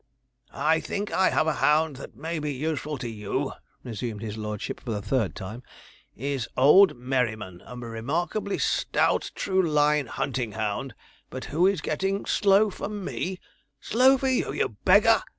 '"I think I have a hound that may be useful to you "' resumed his lordship, for the third time. '"It is Old Merriman, a remarkably stout, true line hunting hound; but who is getting slow for me " Slow for you, you beggar!'